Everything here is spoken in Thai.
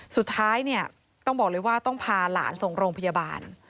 สุดท้ายเนี่ยต้องบอกเลยว่าต้องพาหลานส่งโรงพยาบาล